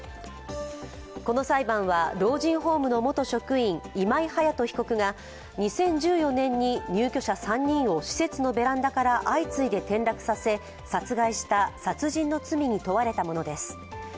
この裁判は老人ホームの元職員、今井隼人被告が２０１４年に入居者３人を施設のベランダから相次いで転落させ殺害した殺人の罪に問われたものです。